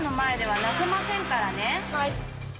はい。